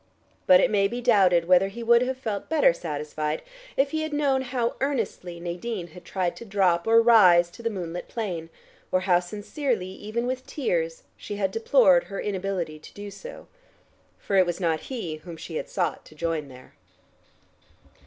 But it may be doubted whether he would have felt better satisfied, if he had known how earnestly Nadine had tried to drop, or rise, to the moonlit plane, or how sincerely, even with tears, she had deplored her inability to do so. For it was not he whom she had sought to join there.